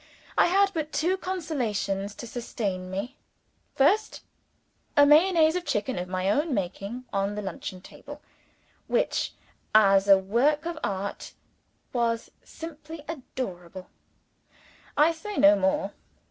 I had but two consolations to sustain me. First, a Mayonnaise of chicken of my own making on the luncheon table, which, as a work of Art, was simply adorable I say no more.